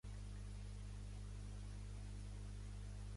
Les empreses haurien de fer tests alcohol i drogues als seus empleats cada dia